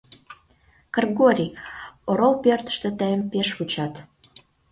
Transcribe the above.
Кыргорий, орол пӧртыштӧ тыйым пеш вучат.